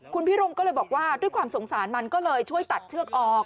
คุณพิรมก็เลยบอกว่าด้วยความสงสารมันก็เลยช่วยตัดเชือกออก